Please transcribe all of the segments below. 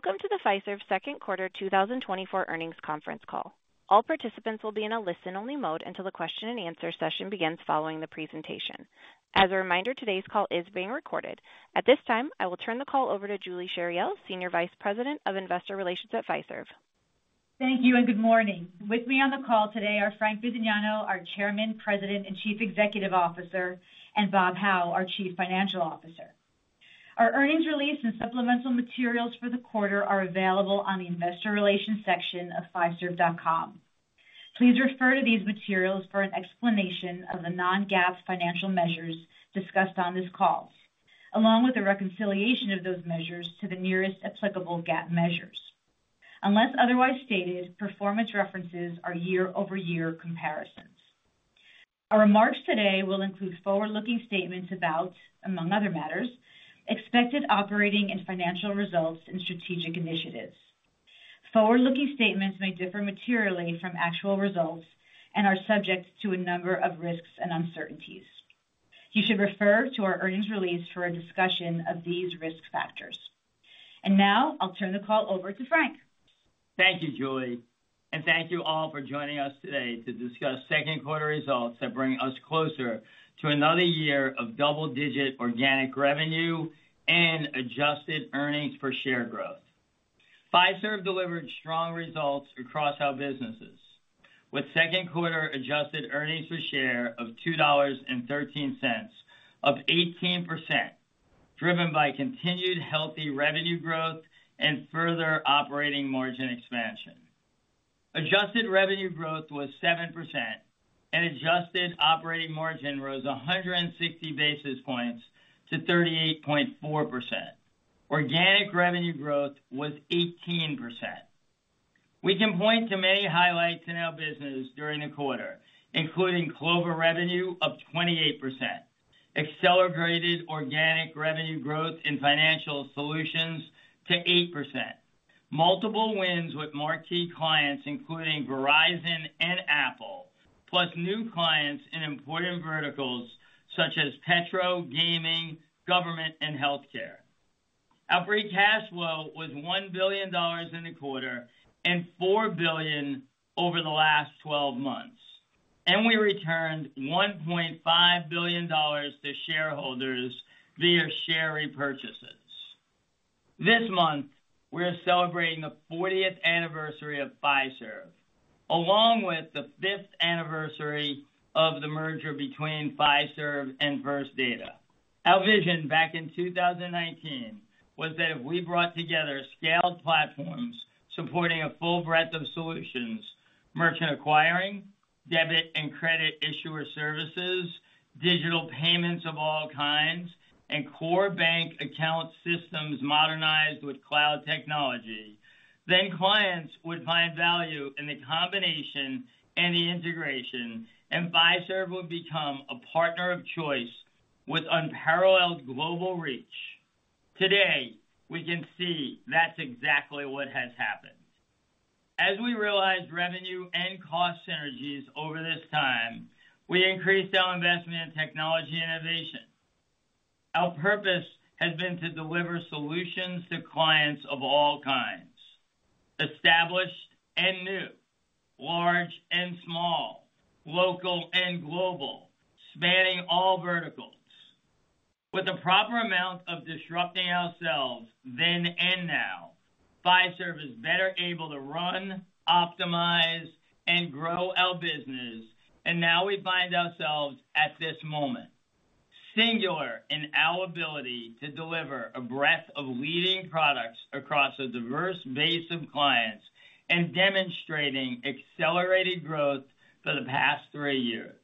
Welcome to the Fiserv second quarter 2024 earnings conference call. All participants will be in a listen-only mode until the question-and-answer session begins following the presentation. As a reminder, today's call is being recorded. At this time, I will turn the call over to Julie Chariell, Senior Vice President of Investor Relations at Fiserv. Thank you, and good morning. With me on the call today are Frank Bisignano, our Chairman, President, and Chief Executive Officer, and Bob Hau, our Chief Financial Officer. Our earnings release and supplemental materials for the quarter are available on the investor relations section of fiserv.com. Please refer to these materials for an explanation of the non-GAAP financial measures discussed on this call, along with the reconciliation of those measures to the nearest applicable GAAP measures. Unless otherwise stated, performance references are year-over-year comparisons. Our remarks today will include forward-looking statements about, among other matters, expected operating and financial results and strategic initiatives. Forward-looking statements may differ materially from actual results and are subject to a number of risks and uncertainties. You should refer to our earnings release for a discussion of these risk factors. Now I'll turn the call over to Frank. Thank you, Julie, and thank you all for joining us today to discuss second quarter results that bring us closer to another year of double-digit organic revenue and adjusted earnings per share growth. Fiserv delivered strong results across our businesses, with second quarter adjusted earnings per share of $2.13 up 18%, driven by continued healthy revenue growth and further operating margin expansion. Adjusted revenue growth was 7%, and adjusted operating margin rose 160 basis points to 38.4%. Organic revenue growth was 18%. We can point to many highlights in our business during the quarter, including Clover revenue of 28%, accelerated organic revenue growth in financial solutions to 8%, multiple wins with marquee clients, including Verizon and Apple, plus new clients in important verticals such as petro, gaming, government, and healthcare. Our free cash flows was $1 billion in the quarter and $4 billion over the last 12 months, and we returned $1.5 billion to shareholders via share repurchases. This month, we are celebrating the 40th anniversary of Fiserv, along with the 5th anniversary of the merger between Fiserv and First Data. Our vision back in 2019 was that if we brought together scaled platforms supporting a full breadth of solutions, merchant acquiring, debit and credit issuer services, digital payments of all kinds, and core bank account systems modernized with cloud technology, then clients would find value in the combination and the integration, and Fiserv would become a partner of choice with unparalleled global reach. Today, we can see that's exactly what has happened. As we realized revenue and cost synergies over this time, we increased our investment in technology innovation. Our purpose has been to deliver solutions to clients of all kinds, established and new, large and small, local and global, spanning all verticals. With the proper amount of disrupting ourselves then and now, Fiserv is better able to run, optimize, and grow our business, and now we find ourselves at this moment, singular in our ability to deliver a breadth of leading products across a diverse base of clients and demonstrating accelerated growth for the past three years.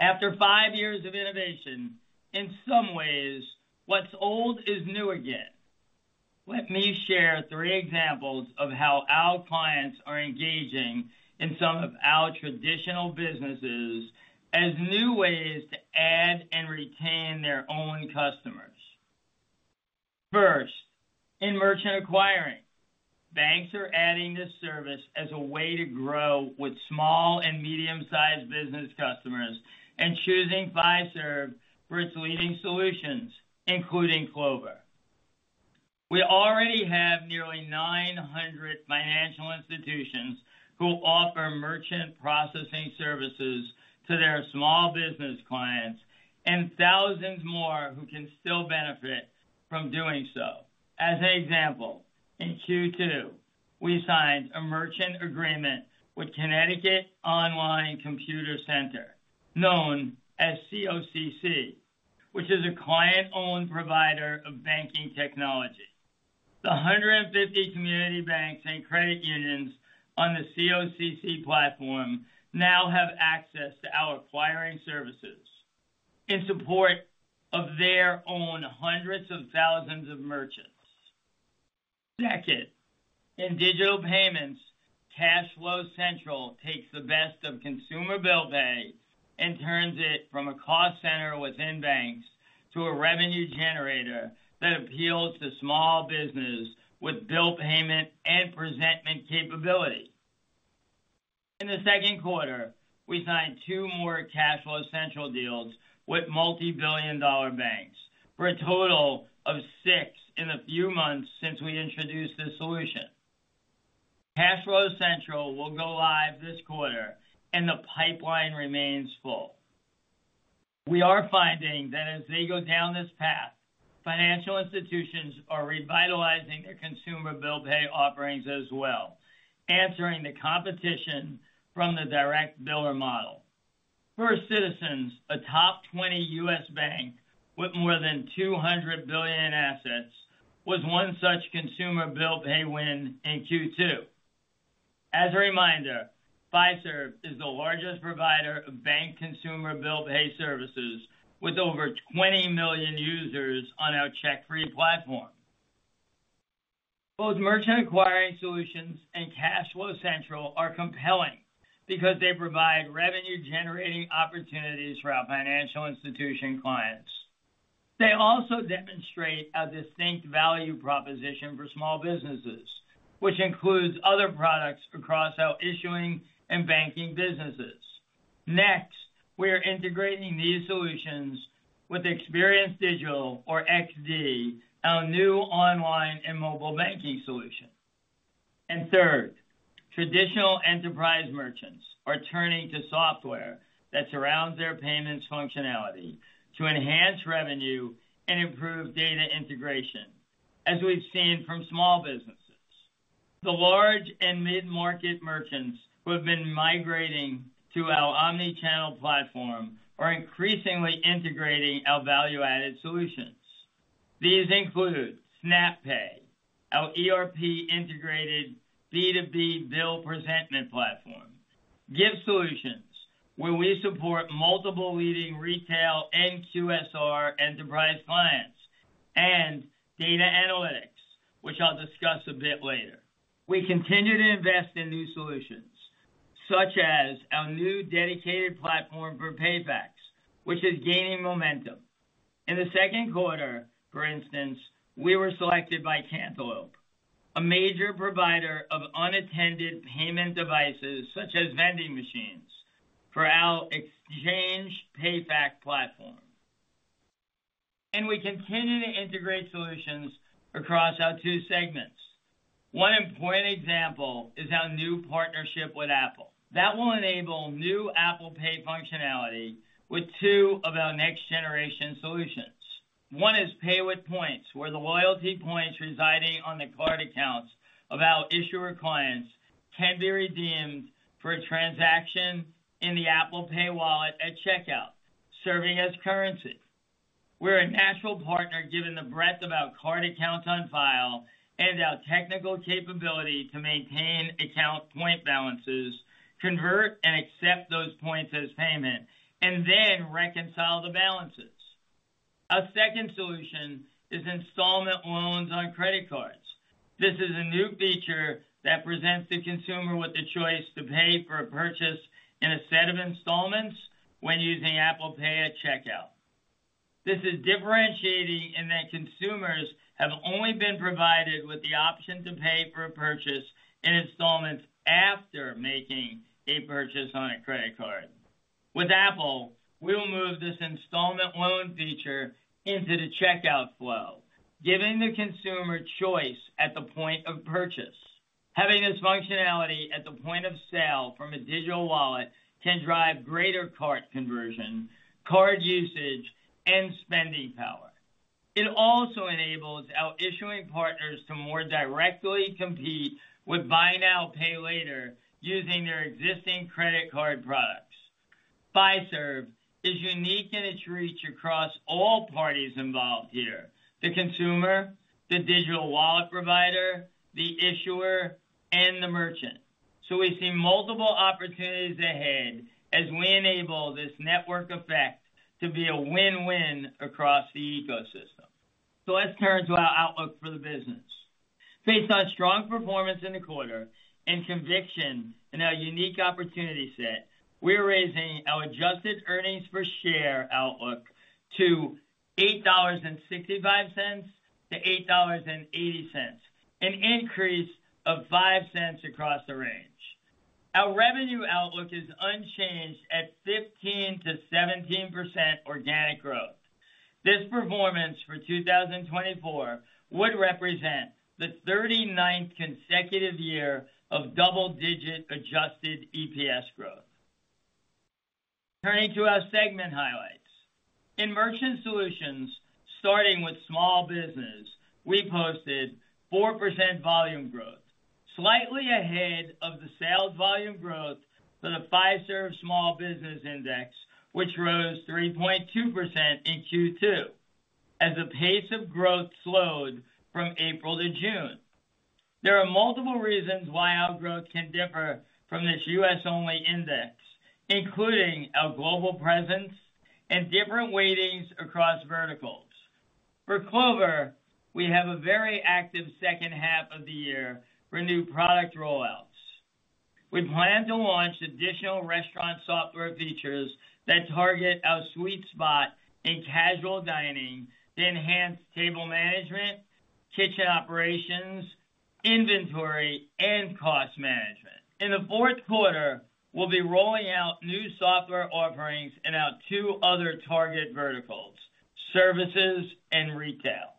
After five years of innovation, in some ways, what's old is new again. Let me share three examples of how our clients are engaging in some of our traditional businesses as new ways to add and retain their own customers. First, in merchant acquiring, banks are adding this service as a way to grow with small and medium-sized business customers and choosing Fiserv for its leading solutions, including Clover. We already have nearly 900 financial institutions who offer merchant processing services to their small business clients and thousands more who can still benefit from doing so. As an example, in Q2, we signed a merchant agreement with Connecticut Online Computer Center, known as COCC, which is a client-owned provider of banking technology. The 150 community banks and credit unions on the COCC platform now have access to our acquiring services in support of their own hundreds of thousands of merchants. Second, in digital payments, CashFlow Central takes the best of consumer bill pay and turns it from a cost center within banks to a revenue generator that appeals to small business with bill payment and presentment capability. In the second quarter, we signed 2 more CashFlow Central deals with multi-billion dollar banks, for a total of 6 in the few months since we introduced this solution. CashFlow Central will go live this quarter, and the pipeline remains full. We are finding that as they go down this path, financial institutions are revitalizing their consumer bill pay offerings as well, answering the competition from the direct biller model. First Citizens, a top 20 U.S. bank with more than $200 billion in assets, was one such consumer bill pay win in Q2. As a reminder, Fiserv is the largest provider of bank consumer bill pay services, with over 20 million users on our CheckFree platform. Both merchant acquiring solutions and CashFlow Central are compelling because they provide revenue-generating opportunities for our financial institution clients. They also demonstrate a distinct value proposition for small businesses, which includes other products across our issuing and banking businesses. Next, we are integrating these solutions with Experience Digital, or XD, our new online and mobile banking solution. And third, traditional enterprise merchants are turning to software that surrounds their payments functionality to enhance revenue and improve data integration, as we've seen from small businesses. The large and mid-market merchants who have been migrating to our omni-channel platform are increasingly integrating our value-added solutions. These include SnapPay, our ERP-integrated B2B bill presentment platform, gift solutions, where we support multiple leading retail and QSR enterprise clients, and data analytics, which I'll discuss a bit later. We continue to invest in new solutions, such as our new dedicated platform for PayFacs, which is gaining momentum. In the second quarter, for instance, we were selected by Cantaloupe, a major provider of unattended payment devices, such as vending machines, for our exchange PayFac platform. We continue to integrate solutions across our two segments. One important example is our new partnership with Apple. That will enable new Apple Pay functionality with two of our next-generation solutions. One is Pay with Points, where the loyalty points residing on the card accounts of our issuer clients can be redeemed for a transaction in the Apple Pay wallet at checkout, serving as currency. We're a natural partner, given the breadth of our card accounts on file and our technical capability to maintain account point balances, convert and accept those points as payment, and then reconcile the balances. Our second solution is installment loans on credit cards. This is a new feature that presents the consumer with the choice to pay for a purchase in a set of installments when using Apple Pay at checkout. This is differentiating in that consumers have only been provided with the option to pay for a purchase in installments after making a purchase on a credit card. With Apple, we'll move this installment loan feature into the checkout flow, giving the consumer choice at the point of purchase. Having this functionality at the point of sale from a digital wallet can drive greater card conversion, card usage, and spending power. It also enables our issuing partners to more directly compete with Buy Now, Pay Later, using their existing credit card products. Fiserv is unique in its reach across all parties involved here, the consumer, the digital wallet provider, the issuer, and the merchant. So we see multiple opportunities ahead as we enable this network effect to be a win-win across the ecosystem. So let's turn to our outlook for the business. Based on strong performance in the quarter and conviction in our unique opportunity set, we're raising our adjusted earnings per share outlook to $8.65-$8.80, an increase of 5 cents across the range. Our revenue outlook is unchanged at 15% to 17% organic growth. This performance for 2024 would represent the 39th consecutive year of double-digit adjusted EPS growth. Turning to our segment highlights. In Merchant Solutions, starting with small business, we posted 4% volume growth, slightly ahead of the sales volume growth for the Fiserv Small Business Index, which rose 3.2% in Q2, as the pace of growth slowed from April to June. There are multiple reasons why our growth can differ from this U.S.-only index, including our global presence and different weightings across verticals. For Clover, we have a very active second half of the year for new product rollouts. We plan to launch additional restaurant software features that target our sweet spot in casual dining to enhance table management, kitchen operations, inventory, and cost management. In the fourth quarter, we'll be rolling out new software offerings in our two other target verticals, services and retail.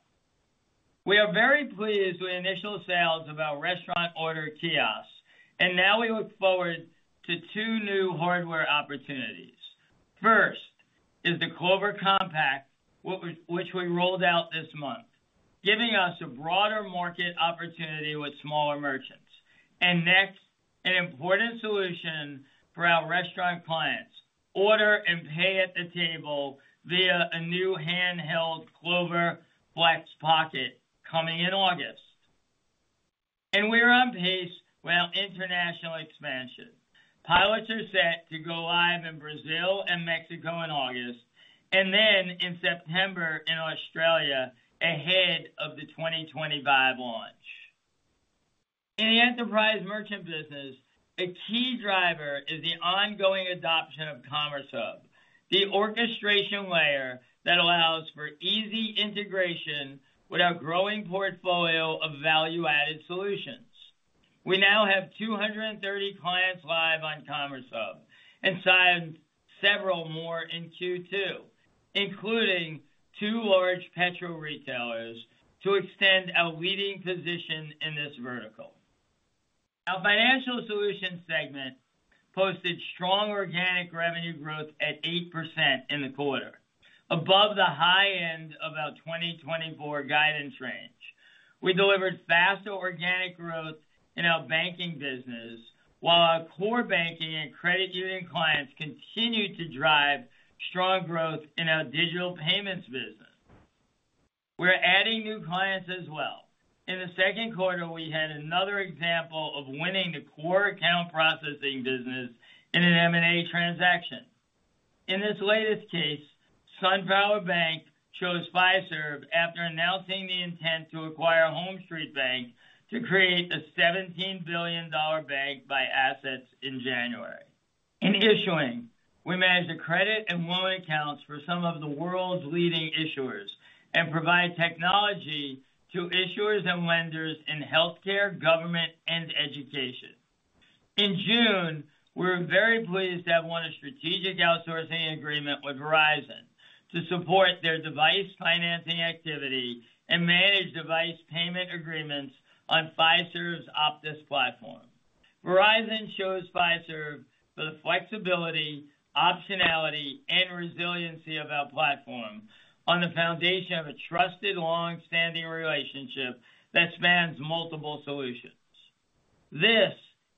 We are very pleased with initial sales of our restaurant order kiosks, and now we look forward to two new hardware opportunities. First is the Clover Compact, which we rolled out this month, giving us a broader market opportunity with smaller merchants. And next, an important solution for our restaurant clients, order and pay at the table via a new handheld Clover Flex Pocket coming in August. And we're on pace with our international expansion. Pilots are set to go live in Brazil and Mexico in August, and then in September in Australia, ahead of the 2025 launch. In the enterprise merchant business, a key driver is the ongoing adoption of Commerce Hub, the orchestration layer that allows for easy integration with our growing portfolio of value-added solutions. We now have 230 clients live on Commerce Hub and signed several more in Q2, including two large petrol retailers, to extend our leading position in this vertical. Our financial solutions segment posted strong organic revenue growth at 8% in the quarter, above the high end of our 2024 guidance range. We delivered faster organic growth in our banking business, while our core banking and credit union clients continued to drive strong growth in our digital payments business. We're adding new clients as well. In the second quarter, we had another example of winning the core account processing business in an M&A transaction. In this latest case, FirstSun Capital Bancorp chose Fiserv after announcing the intent to acquire HomeStreet Bank to create a $17 billion bank by assets in January. In issuing, we manage the credit and loan accounts for some of the world's leading issuers and provide technology to issuers and lenders in healthcare, government, and education. In June, we're very pleased to have won a strategic outsourcing agreement with Verizon to support their device financing activity and manage device payment agreements on Fiserv's Optis platform. Verizon chose Fiserv for the flexibility, optionality, and resiliency of our platform on the foundation of a trusted, long-standing relationship that spans multiple solutions. This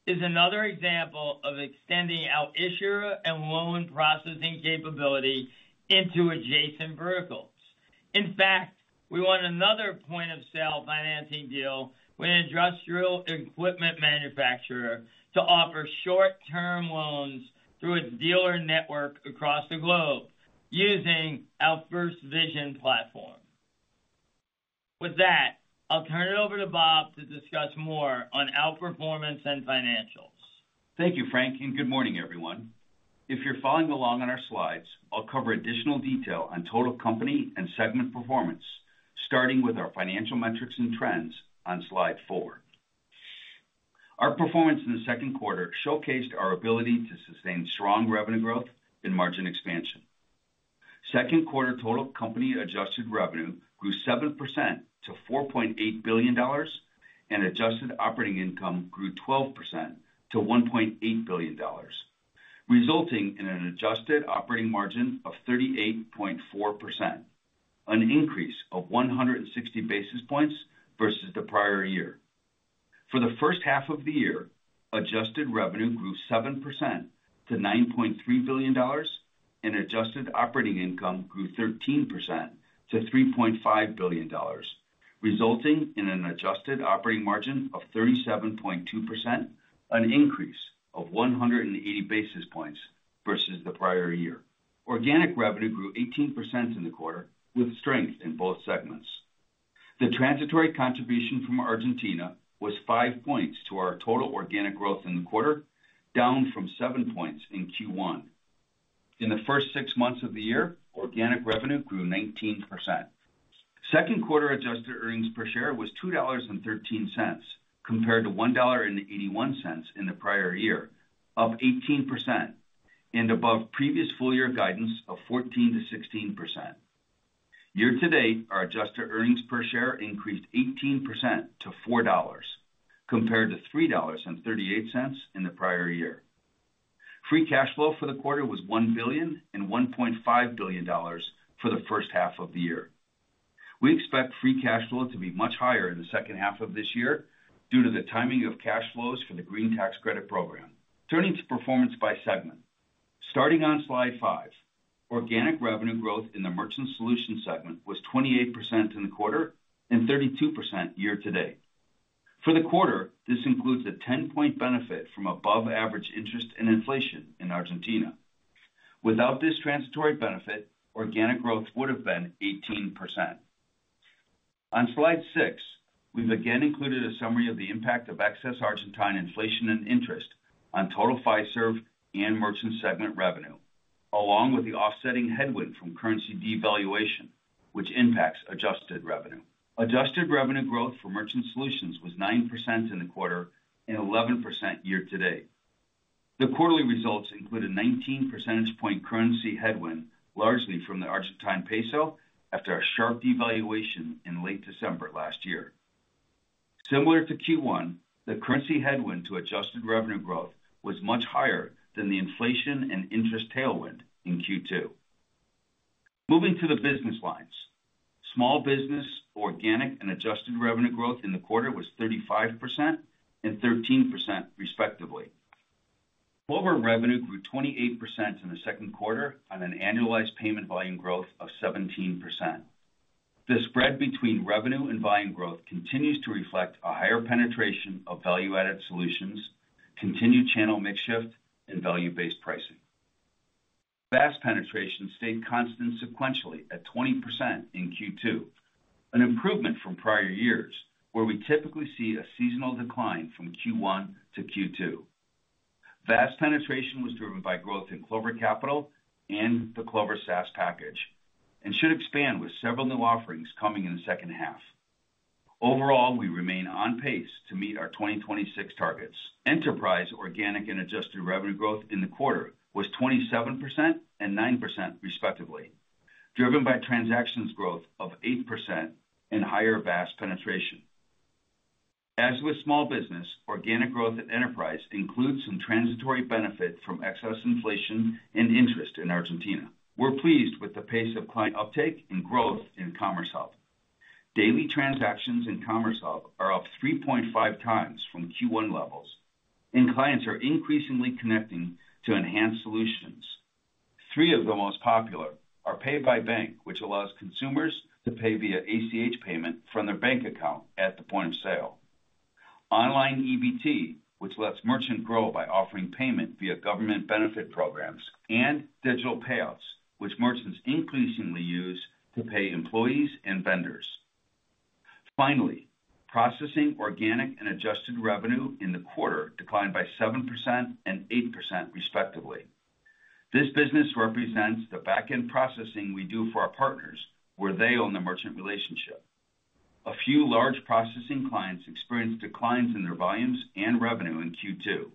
is another example of extending our issuer and loan processing capability into adjacent verticals. In fact, we won another point-of-sale financing deal with an industrial equipment manufacturer to offer short-term loans through its dealer network across the globe using our FirstVision platform. With that, I'll turn it over to Bob to discuss more on our performance and financials. Thank you, Frank, and good morning, everyone. If you're following along on our slides, I'll cover additional detail on total company and segment performance, starting with our financial metrics and trends on slide 4. Our performance in the second quarter showcased our ability to sustain strong revenue growth and margin expansion. Second quarter total company adjusted revenue grew 7% to $4.8 billion, and adjusted operating income grew 12% to $1.8 billion, resulting in an adjusted operating margin of 38.4%, an increase of 160 basis points versus the prior year. For the first half of the year, adjusted revenue grew 7% to $9.3 billion, and adjusted operating income grew 13% to $3.5 billion, resulting in an adjusted operating margin of 37.2%, an increase of 180 basis points versus the prior year. Organic revenue grew 18% in the quarter, with strength in both segments. The transitory contribution from Argentina was 5 points to our total organic growth in the quarter, down from 7 points in Q1. In the first six months of the year, organic revenue grew 19%. Second quarter adjusted earnings per share was $2.13, compared to $1.81 in the prior year, up 18% and above previous full year guidance of 14%-16%. Year-to-date, our Adjusted Earnings Per Share increased 18% to $4, compared to $3.38 in the prior year. Free CashFlow for the quarter was $1 billion and $1.5 billion for the first half of the year. We expect free CashFlow to be much higher in the second half of this year due to the timing of CashFlows for the green tax credit program. Turning to performance by segment. Starting on slide 5, organic revenue growth in the Merchant Solutions segment was 28% in the quarter and 32% year-to-date. For the quarter, this includes a 10 point benefit from above average interest and inflation in Argentina. Without this transitory benefit, organic growth would have been 18%. On slide 6, we've again included a summary of the impact of excess Argentine inflation and interest on total Fiserv and merchant segment revenue, along with the offsetting headwind from currency devaluation, which impacts adjusted revenue. Adjusted revenue growth for Merchant Solutions was 9% in the quarter and 11% year-to-date. The quarterly results include a 19 percentage point currency headwind, largely from the Argentine peso, after a sharp devaluation in late December last year. Similar to Q1, the currency headwind to adjusted revenue growth was much higher than the inflation and interest tailwind in Q2. Moving to the business lines. Small business, organic, and adjusted revenue growth in the quarter was 35% and 13% respectively. Clover revenue grew 28% in the second quarter on an annualized payment volume growth of 17%. The spread between revenue and volume growth continues to reflect a higher penetration of value-added solutions, continued channel mix shift, and value-based pricing. VAS penetration stayed constant sequentially at 20% in Q2, an improvement from prior years, where we typically see a seasonal decline from Q1 to Q2. VAS penetration was driven by growth in Clover Capital and the Clover SaaS package, and should expand with several new offerings coming in the second half. Overall, we remain on pace to meet our 2026 targets. Enterprise, organic, and adjusted revenue growth in the quarter was 27% and 9%, respectively, driven by transactions growth of 8% and higher VAS penetration. As with small business, organic growth at enterprise includes some transitory benefit from excess inflation and interest in Argentina. We're pleased with the pace of client uptake and growth in Commerce Hub. Daily transactions in Commerce Hub are up 3.5x from Q1 levels, and clients are increasingly connecting to enhanced solutions. Three of the most popular are Pay by Bank, which allows consumers to pay via ACH payment from their bank account at the point of sale. Online EBT, which lets merchants grow by offering payment via government benefit programs, and digital payouts, which merchants increasingly use to pay employees and vendors. Finally, processing organic and adjusted revenue in the quarter declined by 7% and 8%, respectively. This business represents the back-end processing we do for our partners, where they own the merchant relationship. A few large processing clients experienced declines in their volumes and revenue in Q2.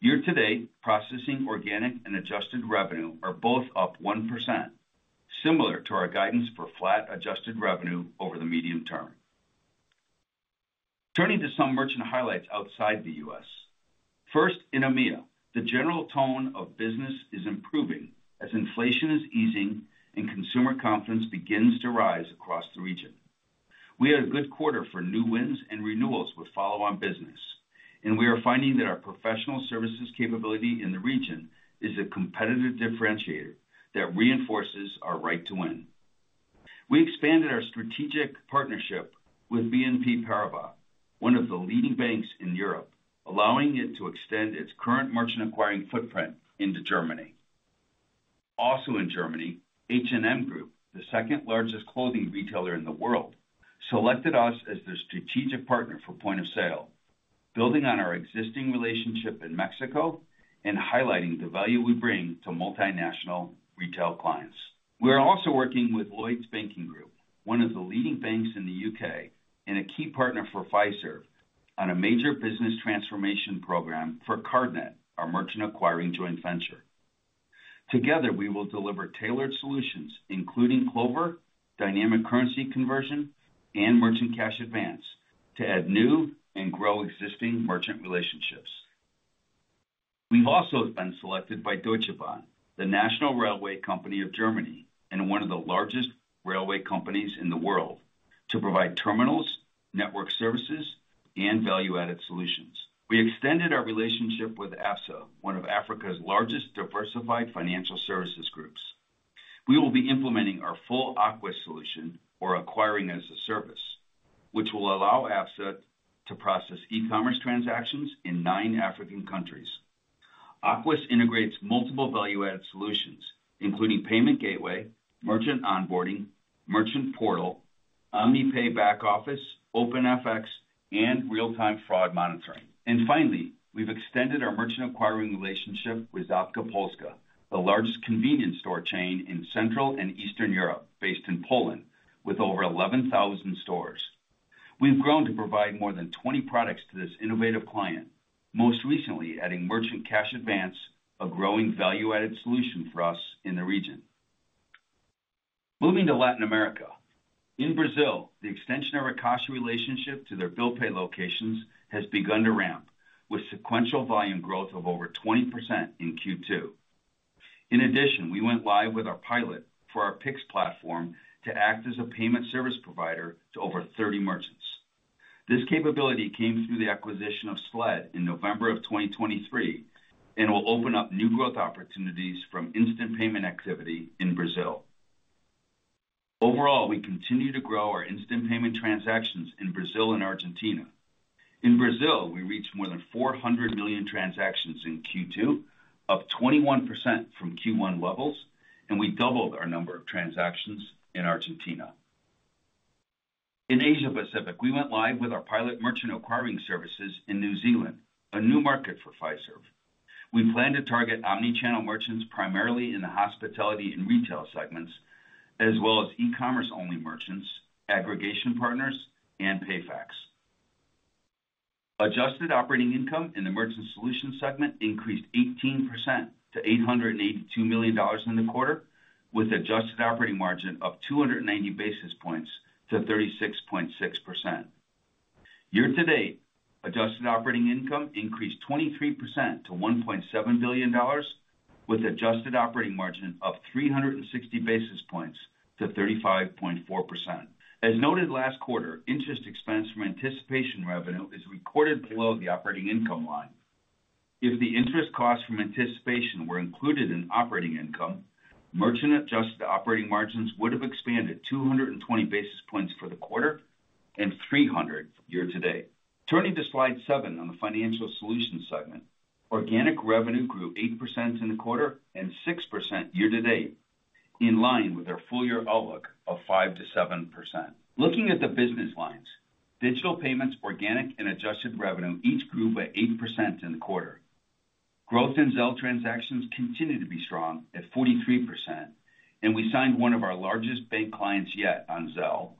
Year-to-date, processing, organic, and adjusted revenue are both up 1%, similar to our guidance for flat adjusted revenue over the medium term. Turning to some merchant highlights outside the U.S. First, in EMEA, the general tone of business is improving as inflation is easing and consumer confidence begins to rise across the region. We had a good quarter for new wins and renewals with follow-on business, and we are finding that our professional services capability in the region is a competitive differentiator that reinforces our right to win. We expanded our strategic partnership with BNP Paribas, one of the leading banks in Europe, allowing it to extend its current merchant acquiring footprint into Germany. Also in Germany, H&M Group, the second-largest clothing retailer in the world, selected us as their strategic partner for point-of-sale, building on our existing relationship in Mexico and highlighting the value we bring to multinational retail clients. We are also working with Lloyds Banking Group, one of the leading banks in the UK and a key partner for Fiserv, on a major business transformation program for CardNet, our merchant acquiring joint venture. Together, we will deliver tailored solutions, including Clover, dynamic currency conversion, and merchant cash advance, to add new and grow existing merchant relationships. We've also been selected by Deutsche Bahn, the national railway company of Germany and one of the largest railway companies in the world, to provide terminals, network services, and value-added solutions. We extended our relationship with Absa, one of Africa's largest diversified financial services groups. We will be implementing our full acquiring-as-a-service solution, or acquiring as a service, which will allow Absa to process e-commerce transactions in nine African countries. Acquiring-as-a-service integrates multiple value-added solutions, including payment gateway, merchant onboarding, merchant portal, OmniPay back office, open FX, and real-time fraud monitoring. Finally, we've extended our merchant acquiring relationship with Žabka Polska, the largest convenience store chain in Central and Eastern Europe, based in Poland, with over 11,000 stores. We've grown to provide more than 20 products to this innovative client, most recently adding merchant cash advance, a growing value-added solution for us in the region. Moving to Latin America. In Brazil, the extension of our cash relationship to their bill pay locations has begun to ramp, with sequential volume growth of over 20% in Q2. In addition, we went live with our pilot for our Pix platform to act as a payment service provider to over 30 merchants. This capability came through the acquisition of Sled in November 2023 and will open up new growth opportunities from instant payment activity in Brazil. Overall, we continue to grow our instant payment transactions in Brazil and Argentina. In Brazil, we reached more than 400 million transactions in Q2, up 21% from Q1 levels, and we doubled our number of transactions in Argentina. In Asia Pacific, we went live with our pilot merchant acquiring services in New Zealand, a new market for Fiserv. We plan to target omni-channel merchants, primarily in the hospitality and retail segments, as well as e-commerce-only merchants, aggregation partners, and PayFac. Adjusted operating income in the merchant solutions segment increased 18% to $882 million in the quarter, with adjusted operating margin of 290 basis points to 36.6%. Year-to-date, adjusted operating income increased 23% to $1.7 billion, with adjusted operating margin of 360 basis points to 35.4%. As noted last quarter, interest expense from anticipation revenue is recorded below the operating income line. If the interest costs from anticipation were included in operating income, merchant adjusted operating margins would have expanded 220 basis points for the quarter and 300 year-to-date. Turning to slide 7 on the financial solutions segment. Organic revenue grew 8% in the quarter and 6% year-to-date, in line with our full-year outlook of 5%-7%. Looking at the business lines, digital payments, organic and adjusted revenue each grew by 8% in the quarter. Growth in Zelle transactions continued to be strong at 43%, and we signed one of our largest bank clients yet on Zelle.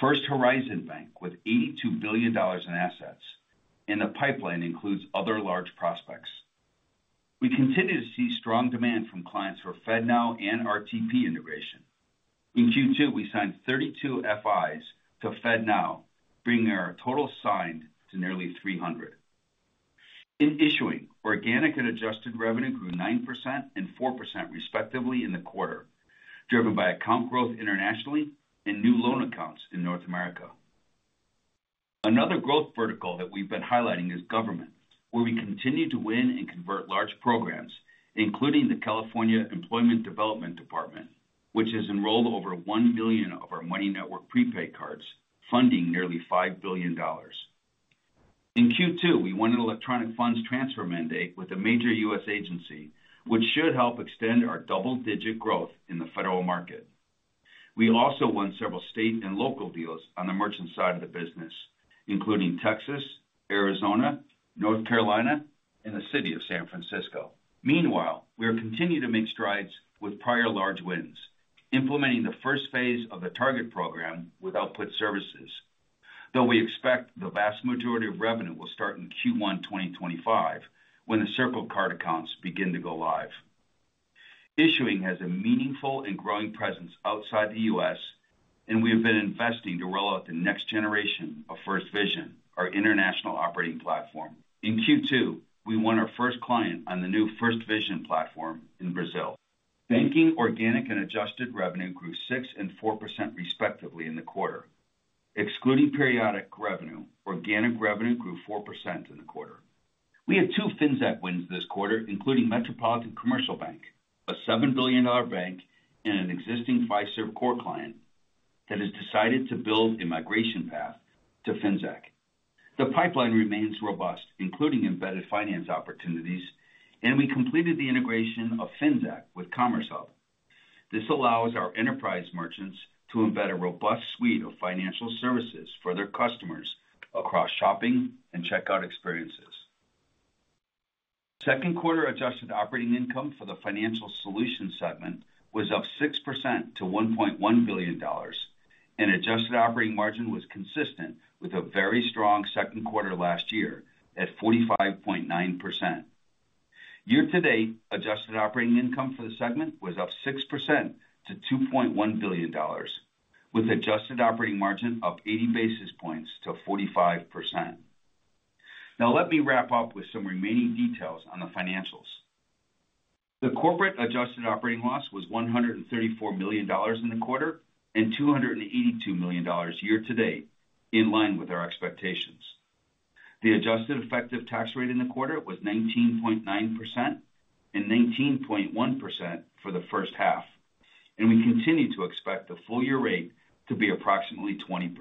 First Horizon Bank with $82 billion in assets, and the pipeline includes other large prospects. We continue to see strong demand from clients for FedNow and RTP integration. In Q2, we signed 32 FIs to FedNow, bringing our total signed to nearly 300. In issuing, organic and adjusted revenue grew 9% and 4% respectively in the quarter, driven by account growth internationally and new loan accounts in North America. Another growth vertical that we've been highlighting is government, where we continue to win and convert large programs, including the California Employment Development Department, which has enrolled over 1 billion of our Money Network prepaid cards, funding nearly $5 billion. In Q2, we won an electronic funds transfer mandate with a major U.S. agency, which should help extend our double-digit growth in the federal market. We also won several state and local deals on the merchant side of the business, including Texas, Arizona, North Carolina, and the city of San Francisco. Meanwhile, we are continuing to make strides with prior large wins, implementing the first phase of the Target program with output services, though we expect the vast majority of revenue will start in Q1 2025, when the Circle Card accounts begin to go live. Issuing has a meaningful and growing presence outside the U.S., and we have been investing to roll out the next generation of FirstVision, our international operating platform. In Q2, we won our first client on the new FirstVision platform in Brazil. Banking organic and adjusted revenue grew 6% and 4%, respectively, in the quarter. Excluding periodic revenue, organic revenue grew 4% in the quarter. We have 2 Finxact wins this quarter, including Metropolitan Commercial Bank, a $7 billion bank and an existing Fiserv core client that has decided to build a migration path to Finxact. The pipeline remains robust, including embedded finance opportunities, and we completed the integration of Finxact with Commerce Hub. This allows our enterprise merchants to embed a robust suite of financial services for their customers across shopping and checkout experiences. Second quarter adjusted operating income for the financial solutions segment was up 6% to $1.1 billion, and adjusted operating margin was consistent with a very strong second quarter last year at 45.9%. Year-to-date, adjusted operating income for the segment was up 6% to $2.1 billion, with adjusted operating margin up 80 basis points to 45%. Now, let me wrap up with some remaining details on the financials. The corporate adjusted operating loss was $134 million in the quarter and $282 million year-to-date, in line with our expectations. The adjusted effective tax rate in the quarter was 19.9% and 19.1% for the first half, and we continue to expect the full-year rate to be approximately 20%.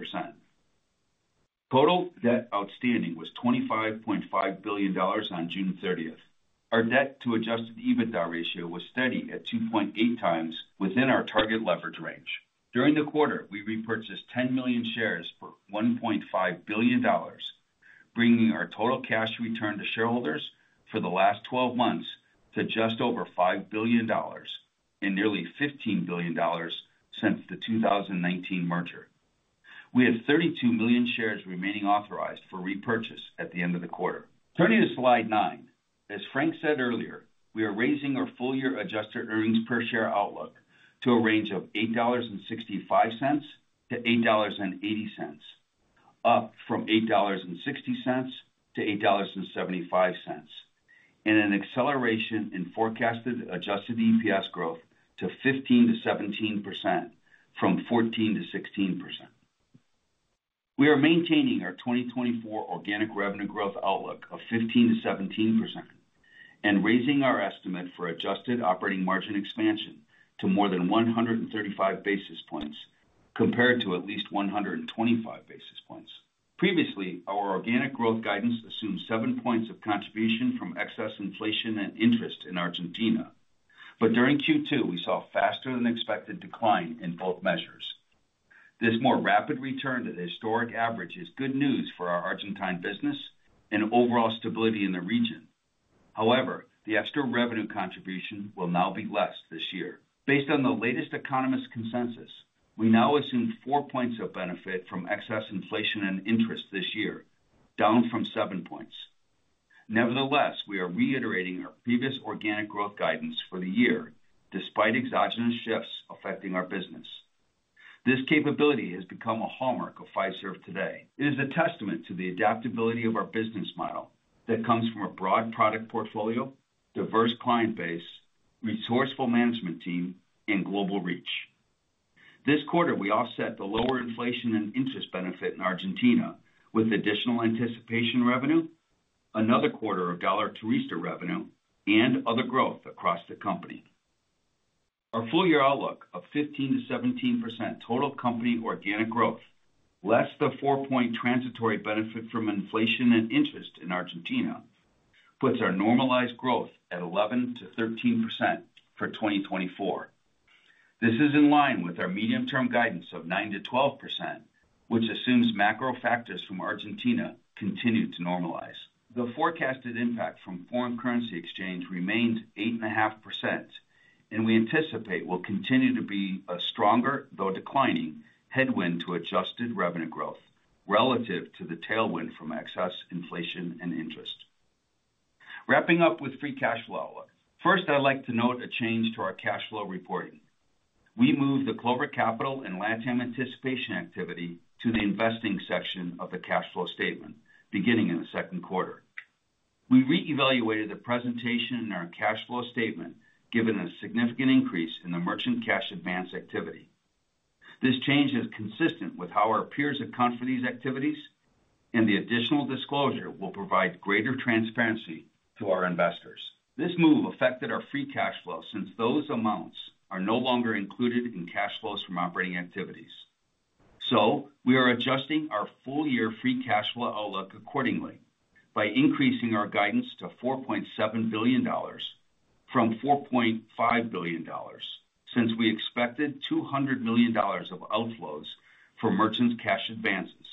Total debt outstanding was $25.5 billion on June 30. Our debt to Adjusted EBITDA ratio was steady at 2.8x within our target leverage range. During the quarter, we repurchased 10 million shares for $1.5 billion, bringing our total cash return to shareholders for the last twelve months to just over $5 billion and nearly $15 billion since the 2019 merger. We have 32 million shares remaining authorized for repurchase at the end of the quarter. Turning to slide 9. As Frank said earlier, we are raising our full-year adjusted earnings per share outlook to a range of $8.65-$8.80, up from $8.60-$8.75, and an acceleration in forecasted adjusted EPS growth to 15% to 17% from 14%-16%. We are maintaining our 2024 organic revenue growth outlook of 15% to 17% and raising our estimate for adjusted operating margin expansion to more than 135 basis points, compared to at least 125 basis points. Previously, our organic growth guidance assumed 7 points of contribution from excess inflation and interest in Argentina. But during Q2, we saw a faster-than-expected decline in both measures. This more rapid return to the historic average is good news for our Argentine business and overall stability in the region. However, the extra revenue contribution will now be less this year. Based on the latest economist consensus, we now assume 4 points of benefit from excess inflation and interest this year, down from 7 points. Nevertheless, we are reiterating our previous organic growth guidance for the year, despite exogenous shifts affecting our business. This capability has become a hallmark of Fiserv today. It is a testament to the adaptability of our business model that comes from a broad product portfolio, diverse client base, resourceful management team, and global reach. This quarter, we offset the lower inflation and interest benefit in Argentina with additional anticipation revenue, another quarter of Dólar Turismo revenue, and other growth across the company. Our full-year outlook of 15% to 17% total company organic growth, less the 4-point transitory benefit from inflation and interest in Argentina, puts our normalized growth at 11% to 13% for 2024. This is in line with our medium-term guidance of 9%-12%, which assumes macro factors from Argentina continue to normalize. The forecasted impact from foreign currency exchange remained 8.5%, and we anticipate will continue to be a stronger, though declining, headwind to adjusted revenue growth relative to the tailwind from excess inflation and interest. Wrapping up with free CashFlow. First, I'd like to note a change to our CashFlow reporting. We moved the Clover Capital and LatAm anticipation activity to the investing section of the CashFlow statement, beginning in the second quarter. We reevaluated the presentation in our CashFlow statement, given a significant increase in the merchant cash advance activity. This change is consistent with how our peers account for these activities, and the additional disclosure will provide greater transparency to our investors. This move affected our free CashFlow, since those amounts are no longer included in CashFlows from operating activities. We are adjusting our full-year free CashFlow outlook accordingly by increasing our guidance to $4.7 billion from $4.5 billion, since we expected $200 million of outflows for merchant cash advances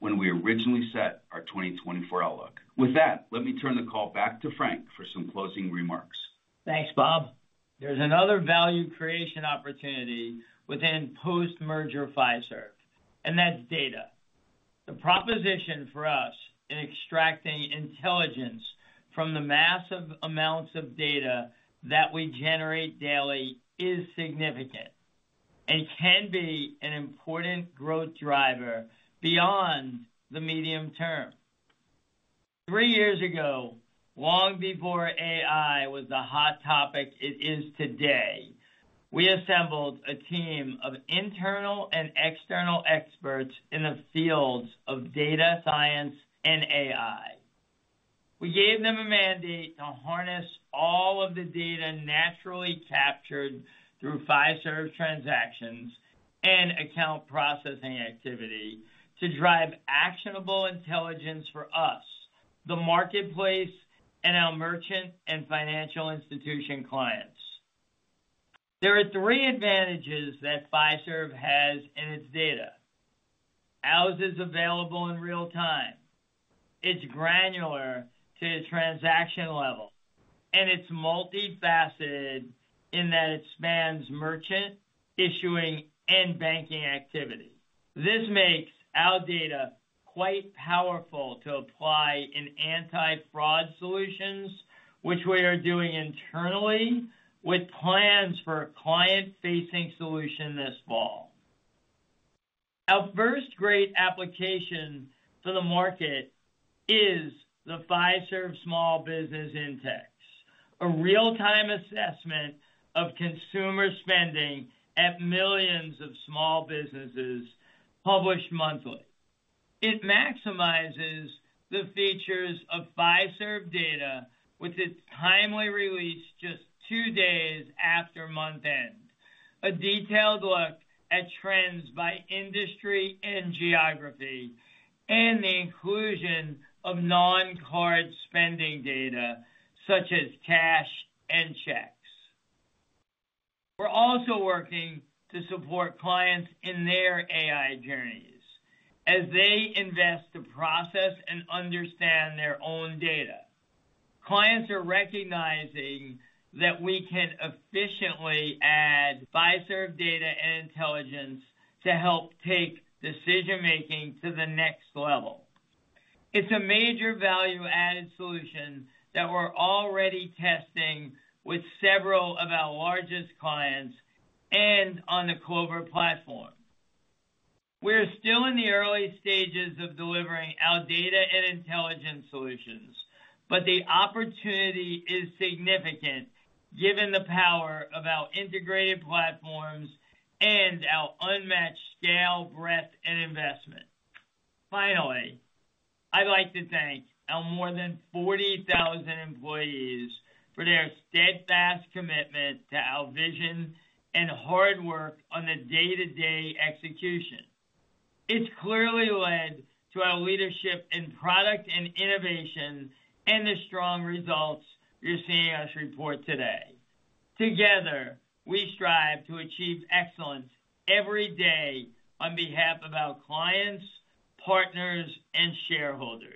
when we originally set our 2024 outlook. With that, let me turn the call back to Frank for some closing remarks. Thanks, Bob. There's another value creation opportunity within post-merger Fiserv, and that's data. The proposition for us in extracting intelligence from the massive amounts of data that we generate daily is significant and can be an important growth driver beyond the medium term. Three years ago, long before AI was the hot topic it is today, we assembled a team of internal and external experts in the fields of data science and AI. We gave them a mandate to harness all of the data naturally captured through Fiserv transactions and account processing activity to drive actionable intelligence for us, the marketplace, and our merchant and financial institution clients. There are three advantages that Fiserv has in its data. Ours is available in real time, it's granular to the transaction level, and it's multifaceted in that it spans merchant, issuing, and banking activity. This makes our data quite powerful to apply in anti-fraud solutions, which we are doing internally with plans for a client-facing solution this fall. Our first great application to the market is the Fiserv Small Business Index, a real-time assessment of consumer spending at millions of small businesses, published monthly. It maximizes the features of Fiserv data with its timely release just two days after month-end, a detailed look at trends by industry and geography, and the inclusion of non-card spending data, such as cash and checks. We're also working to support clients in their AI journeys as they invest to process and understand their own data. Clients are recognizing that we can efficiently add Fiserv data and intelligence to help take decision-making to the next level. It's a major value-added solution that we're already testing with several of our largest clients and on the Clover platform. We're still in the early stages of delivering our data and intelligence solutions, but the opportunity is significant given the power of our integrated platforms and our unmatched scale, breadth, and investment. Finally- I'd like to thank our more than 40,000 employees for their steadfast commitment to our vision and hard work on the day-to-day execution. It's clearly led to our leadership in product and innovation and the strong results you're seeing us report today. Together, we strive to achieve excellence every day on behalf of our clients, partners, and shareholders.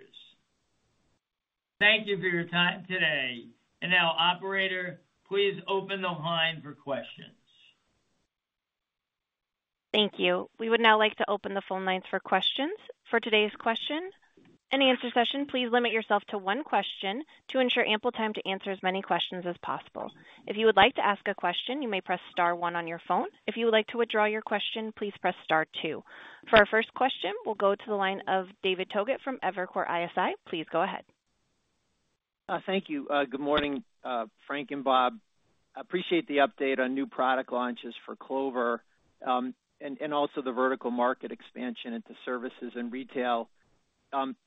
Thank you for your time today. Now, operator, please open the line for questions. Thank you. We would now like to open the phone lines for questions. For today's question and answer session, please limit yourself to one question to ensure ample time to answer as many questions as possible. If you would like to ask a question, you may press star one on your phone. If you would like to withdraw your question, please press star two. For our first question, we'll go to the line of David Togut from Evercore ISI. Please go ahead. Thank you. Good morning, Frank and Bob. Appreciate the update on new product launches for Clover, and also the vertical market expansion into services and retail.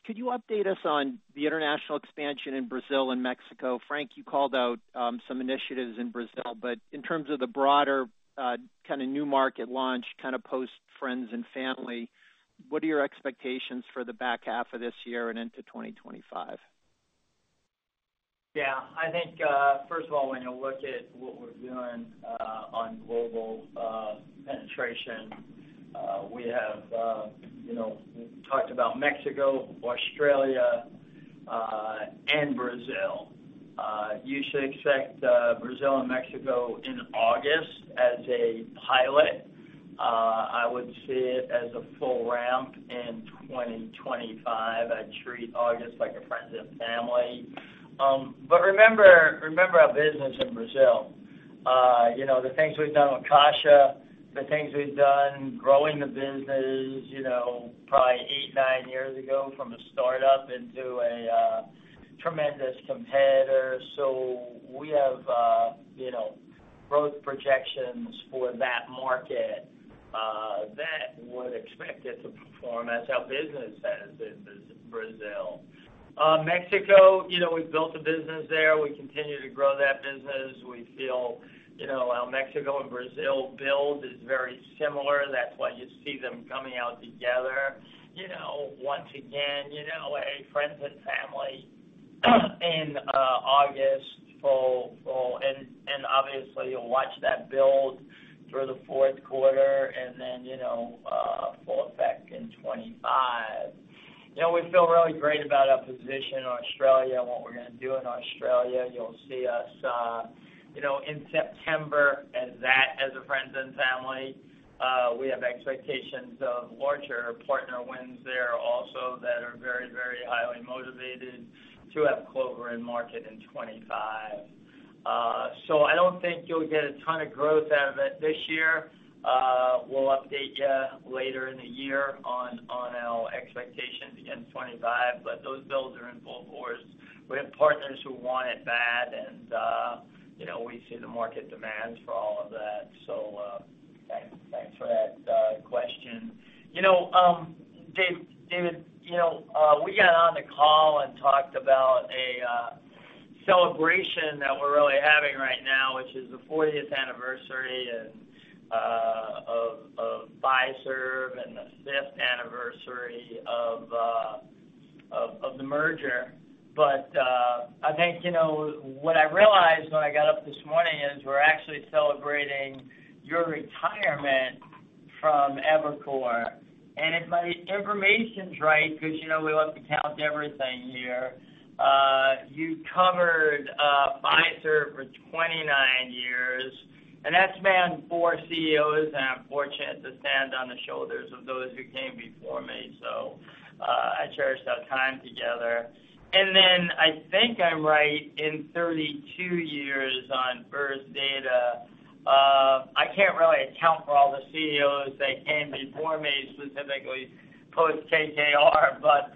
Could you update us on the international expansion in Brazil and Mexico? Frank, you called out some initiatives in Brazil, but in terms of the broader kind of new market launch, kind of post friends and family, what are your expectations for the back half of this year and into 2025? Yeah, I think first of all, when you look at what we're doing on global penetration, we have, you know, we've talked about Mexico, Australia, and Brazil. You should expect Brazil and Mexico in August as a pilot. I would see it as a full ramp in 2025. I'd treat August like a friends and family. But remember, remember our business in Brazil. You know, the things we've done with Clover, the things we've done growing the business, you know, probably eight, nine years ago, from a startup into a tremendous competitor. So we have, you know, growth projections for that market that would expect it to perform as our business has in Brazil. Mexico, you know, we've built a business there. We continue to grow that business. We feel, you know, how Mexico and Brazil build is very similar. That's why you see them coming out together. You know, once again, you know, a friends and family, in, August, full. And obviously, you'll watch that build through the fourth quarter and then, you know, full effect in 25. You know, we feel really great about our position in Australia and what we're gonna do in Australia. You'll see us, you know, in September as that, as a friends and family. We have expectations of larger partner wins there also that are very, very highly motivated to have Clover in market in 25. So I don't think you'll get a ton of growth out of it this year. We'll update you later in the year on our expectations in 25, but those builds are in full force. We have partners who want it bad, and, you know, we see the market demands for all of that. So, thanks, thanks for that, question. You know, David, you know, we got on the call and talked about a celebration that we're really having right now, which is the 40th anniversary and of Fiserv and the 5th anniversary of the merger. But, I think, you know, what I realized when I got up this morning is we're actually celebrating your retirement from Evercore. And if my information's right, because, you know, we love to count everything here, you covered Fiserv for 29 years, and that's been 4 CEOs, and I'm fortunate to stand on the shoulders of those who came before me. So, I cherish that time together. And then, I think I'm right, in 32 years on First Data. I can't really account for all the CEOs that came before me, specifically post KKR, but,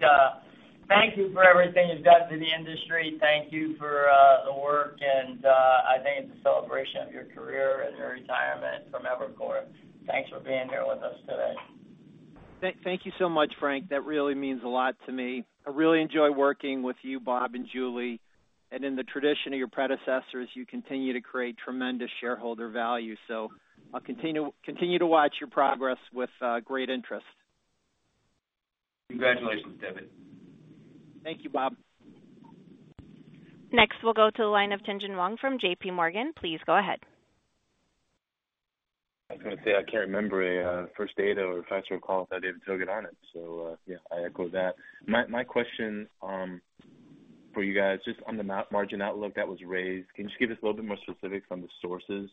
thank you for everything you've done to the industry. Thank you for, the work and, I think it's a celebration of your career and your retirement from Evercore. Thanks for being here with us today. Thank you so much, Frank. That really means a lot to me. I really enjoy working with you, Bob and Julie, and in the tradition of your predecessors, you continue to create tremendous shareholder value. So I'll continue to watch your progress with great interest. Congratulations, David. Thank you, Bob. Next, we'll go to the line of Tien-tsin Huang from JPMorgan. Please go ahead. I was gonna say, I can't remember a First Data or Fiserv call with David Togut on it. So, yeah, I echo that. My question for you guys, just on the margin outlook that was raised, can you just give us a little bit more specifics on the sources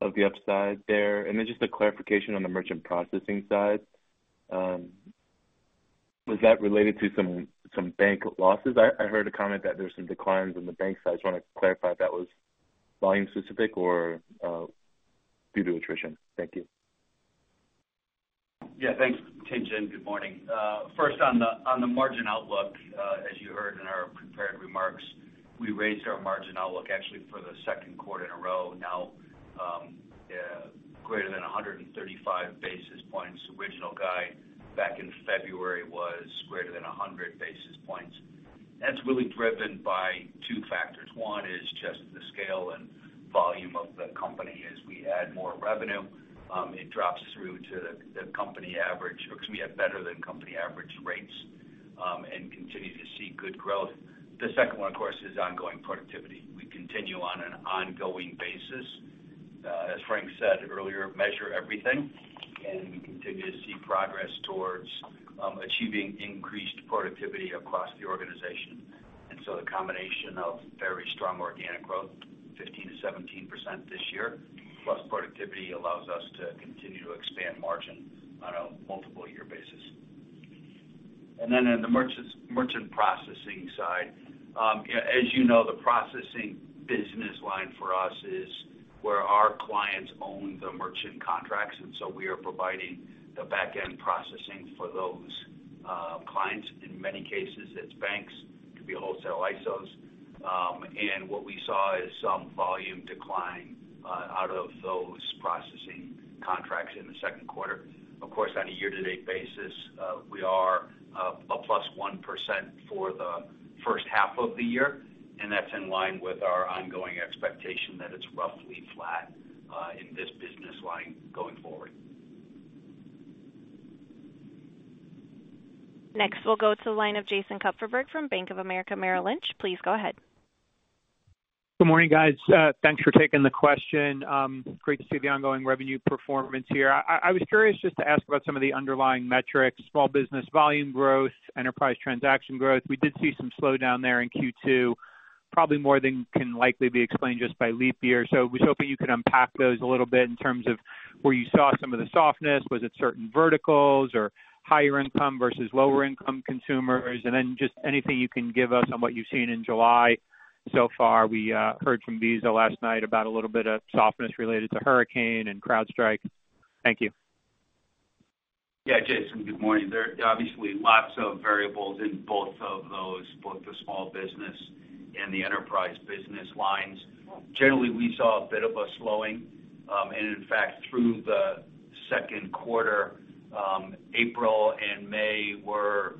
of the upside there? And then just a clarification on the merchant processing side. Was that related to some bank losses? I heard a comment that there's some declines on the bank side. Just want to clarify if that was volume specific or due to attrition. Thank you. Yeah, thanks, Tien-tsin. Good morning. First, on the margin outlook, as you heard in our prepared remarks, we raised our margin outlook actually for the second quarter in a row now- 135 basis points. Original guide back in February was greater than 100 basis points. That's really driven by two factors. One is just the scale and volume of the company. As we add more revenue, it drops through to the company average, because we have better than company average rates and continue to see good growth. The second one, of course, is ongoing productivity. We continue on an ongoing basis, as Frank said earlier, measure everything, and we continue to see progress towards achieving increased productivity across the organization. And so the combination of very strong organic growth, 15% to 17% this year, plus productivity, allows us to continue to expand margin on a multi-year basis. And then in the merchant processing side, yeah, as you know, the processing business line for us is where our clients own the merchant contracts, and so we are providing the back-end processing for those, clients. In many cases, it's banks, it could be wholesale ISOs. And what we saw is some volume decline out of those processing contracts in the second quarter. Of course, on a year-to-date basis, we are +1% for the first half of the year, and that's in line with our ongoing expectation that it's roughly flat in this business line going forward. Next, we'll go to the line of Jason Kupferberg from Bank of America Merrill Lynch. Please go ahead. Good morning, guys. Thanks for taking the question. Great to see the ongoing revenue performance here. I was curious just to ask about some of the underlying metrics, small business volume growth, enterprise transaction growth. We did see some slowdown there in Q2, probably more than can likely be explained just by leap year. So I was hoping you could unpack those a little bit in terms of where you saw some of the softness. Was it certain verticals or higher income versus lower income consumers? And then just anything you can give us on what you've seen in July so far. We heard from Visa last night about a little bit of softness related to Hurricane and CrowdStrike. Thank you. Yeah, Jason, good morning. There are obviously lots of variables in both of those, both the small business and the enterprise business lines. Generally, we saw a bit of a slowing. And in fact, through the second quarter, April and May were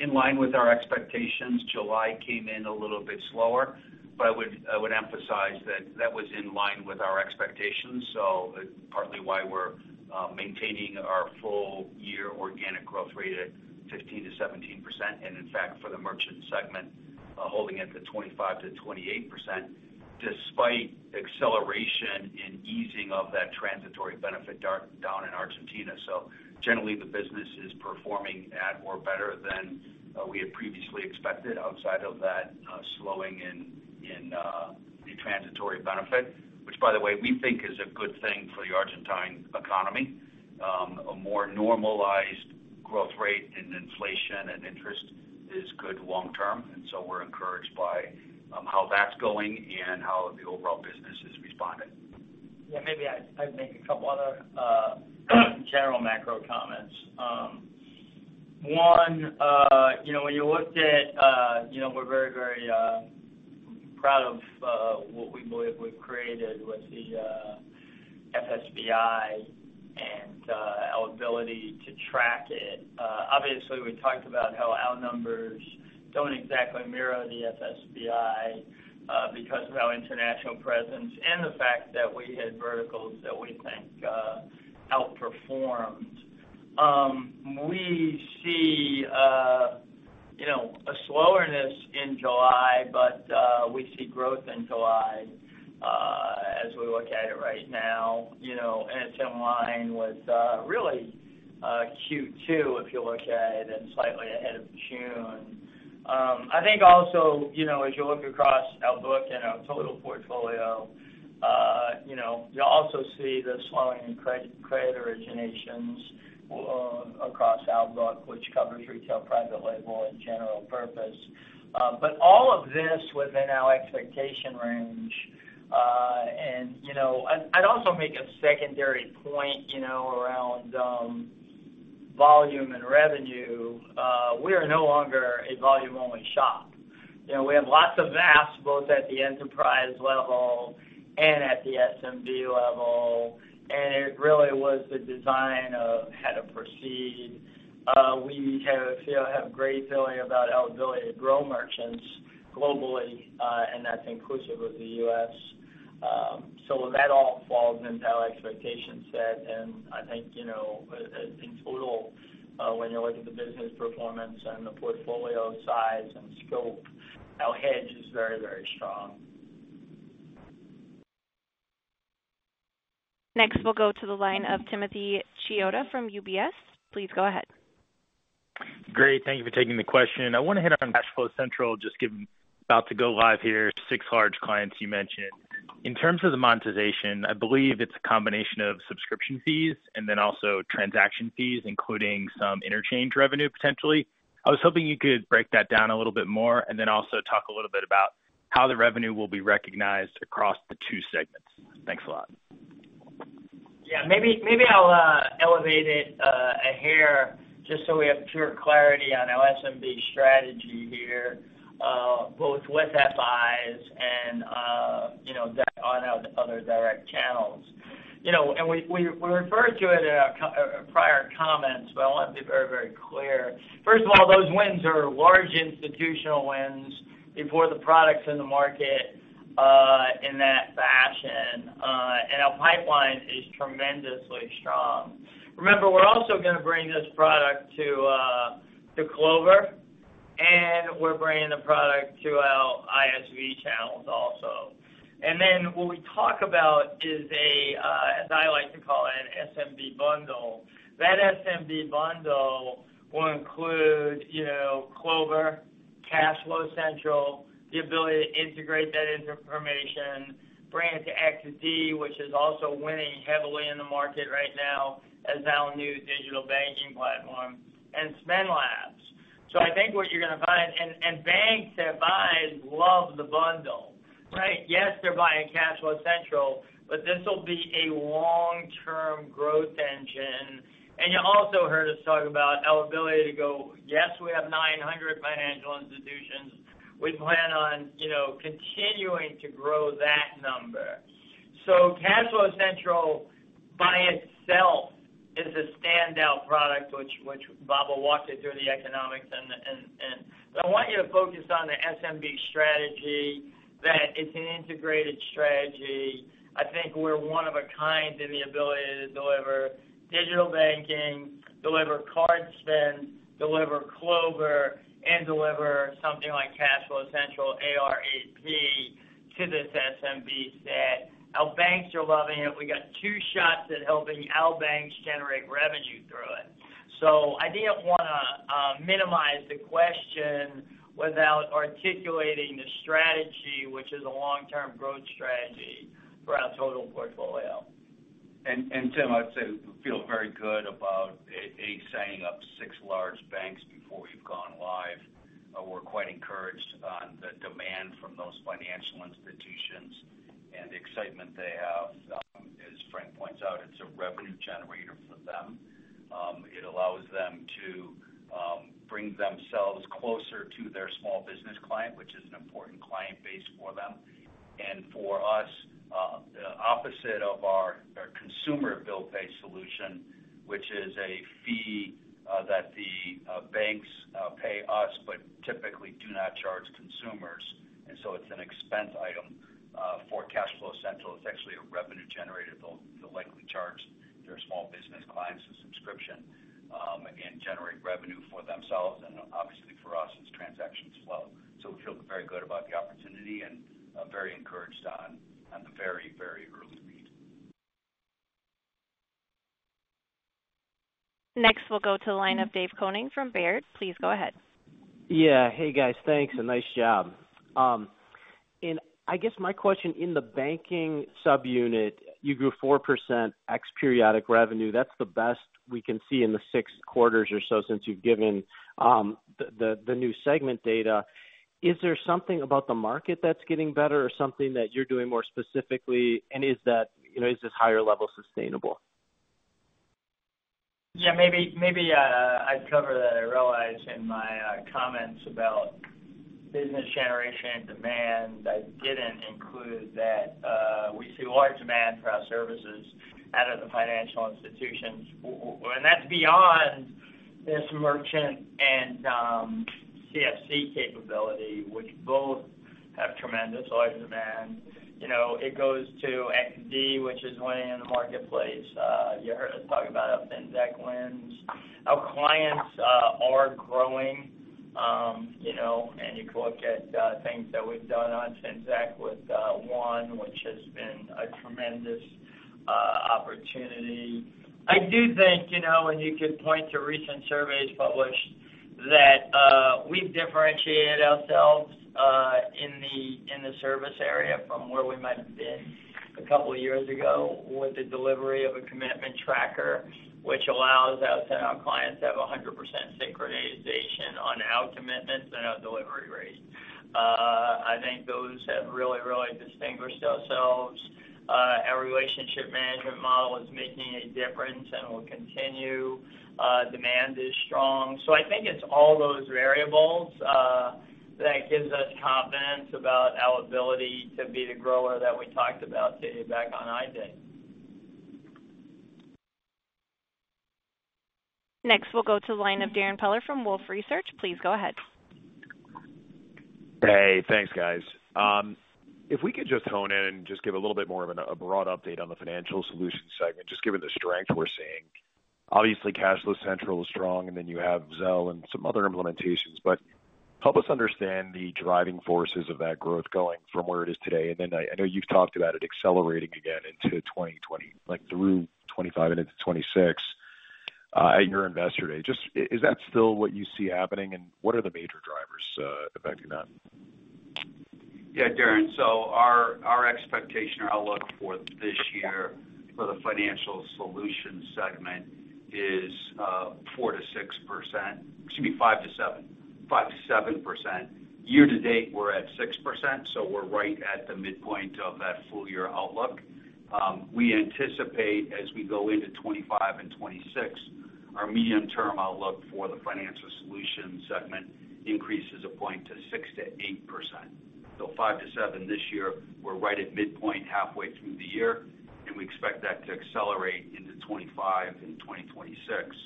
in line with our expectations. July came in a little bit slower, but I would emphasize that that was in line with our expectations. So it's partly why we're maintaining our full year organic growth rate at 15%-17%, and in fact, for the merchant segment, holding it to 25%-28%, despite acceleration in easing of that transitory benefit down, down in Argentina. So generally, the business is performing at or better than we had previously expected outside of that slowing in the transitory benefit, which, by the way, we think is a good thing for the Argentine economy. A more normalized growth rate in inflation and interest is good long term, and so we're encouraged by how that's going and how the overall business is responding. Yeah, maybe I'd make a couple other general macro comments. One, you know, when you looked at, you know, we're very, very proud of what we believe we've created with the FSBI and our ability to track it. Obviously, we talked about how our numbers don't exactly mirror the FSBI because of our international presence and the fact that we had verticals that we think outperformed. We see, you know, a slowerness in July, but we see growth in July as we look at it right now. You know, and it's in line with really Q2, if you look at it, and slightly ahead of June. I think also, you know, as you look across our book and our total portfolio, you know, you'll also see the slowing in credit, credit originations, across our book, which covers retail, private label, and general purpose. And, you know, I'd also make a secondary point, you know, around, volume and revenue. We are no longer a volume-only shop. You know, we have lots of VAS, both at the enterprise level and at the SMB level, and it really was the design of how to proceed. We have, you know, great feeling about our ability to grow merchants globally, and that's inclusive of the U.S.. So that all falls into our expectation set, and I think, you know, in total, when you look at the business performance and the portfolio size and scope, our hedge is very, very strong. Next, we'll go to the line of Timothy Chiodo from UBS. Please go ahead. Great, thank you for taking the question. I want to hit on CashFlow Central, just given about to go live here, six large clients you mentioned. In terms of the monetization, I believe it's a combination of subscription fees and then also transaction fees, including some interchange revenue, potentially. I was hoping you could break that down a little bit more, and then also talk a little bit about how the revenue will be recognized across the two segments. Thanks a lot. Yeah, maybe, maybe I'll elevate it a hair, just so we have pure clarity on our SMB strategy here, both with you know, that on our other direct channels. You know, and we referred to it in our prior comments, but I want to be very, very clear. First of all, those wins are large institutional wins before the product's in the market, in that fashion, and our pipeline is tremendously strong. Remember, we're also gonna bring this product to Clover, and we're bringing the product to our ISV channels also. And then what we talk about is a, as I like to call it, an SMB bundle. That SMB bundle will include, you know, Clover, CashFlow Central, the ability to integrate that information, bring it to XD, which is also winning heavily in the market right now as our new digital banking platform, and SpendLabs. So I think what you're gonna find, and banks that buy love the bundle, right? Yes, they're buying CashFlow Central, but this will be a long-term growth engine. And you also heard us talk about our ability to go, yes, we have 900 financial institutions. We plan on, you know, continuing to grow that number. So CashFlow Central, by itself, is a standout product, which Bob will walk you through the economics and. But I want you to focus on the SMB strategy, that it's an integrated strategy. I think we're one of a kind in the ability to deliver digital banking, deliver card spend, deliver Clover, and deliver something like CashFlow Central AP/AR to this SMB set. Our banks are loving it. We got two shots at helping our banks generate revenue through it. So I didn't wanna minimize the question without articulating the strategy, which is a long-term growth strategy for our total portfolio. Tim, I'd say we feel very good about signing up six large banks before you've gone live. We're quite encouraged on the demand from those financial institutions and the excitement they have. As Frank points out, it's a revenue generator for them. It allows them to bring themselves closer to their small business client, which is an important client base for them. And for us, the opposite of our consumer bill pay solution, which is a fee that the banks pay us, but typically do not charge consumers. And so it's an expense item for CashFlow Central. It's actually a revenue generator. They'll likely charge their small business clients a subscription, again, generate revenue for themselves and obviously for us, as transactions flow. So we feel very good about the opportunity and very encouraged on the very, very early read. Next, we'll go to the line of Dave Koning from Baird. Please go ahead. Yeah. Hey, guys. Thanks, and nice job. And I guess my question, in the banking subunit, you grew 4% ex periodic revenue. That's the best we can see in the six quarters or so since you've given the new segment data. Is there something about the market that's getting better or something that you're doing more specifically? And is that—you know, is this higher level sustainable? Yeah, maybe, maybe, I'd cover that. I realized in my comments about business generation and demand, I didn't include that we see large demand for our services out of the financial institutions. And that's beyond this merchant and CFC capability, which both have tremendous large demand. You know, it goes to XD, which is winning in the marketplace. You heard us talk about FinTech wins. Our clients are growing, you know, and you can look at things that we've done on FinTech with One, which has been a tremendous opportunity. I do think, you know, and you could point to recent surveys published, that we've differentiated ourselves in the service area from where we might have been a couple of years ago with the delivery of a commitment tracker, which allows us and our clients to have 100% synchronization on our commitments and our delivery rates. I think those have really, really distinguished ourselves. Our relationship management model is making a difference and will continue. Demand is strong. So I think it's all those variables that gives us confidence about our ability to be the grower that we talked about to you back on Investor Day. Next, we'll go to the line of Darrin Peller from Wolfe Research. Please go ahead. Hey, thanks, guys. If we could just hone in and just give a little bit more of a broad update on the financial solutions segment, just given the strength we're seeing. Obviously, CashFlow Central is strong, and then you have Zelle and some other implementations. But help us understand the driving forces of that growth going from where it is today. And then I know you've talked about it accelerating again into 2020, like through 2025 and into 2026, at your Investor Day. Just, is that still what you see happening, and what are the major drivers affecting that? Yeah, Darren, so our expectation or outlook for this year for the Financial Solutions segment is four to six percent. Excuse me, five to seven. Five to seven percent. Year-to-date, we're at 6%, so we're right at the midpoint of that full year outlook. We anticipate as we go into 2025 and 2026, our medium-term outlook for the Financial Solutions segment increases 0.6% to 8%. So five to seven this year, we're right at midpoint halfway through the year, and we expect that to accelerate into 2025 and 2026.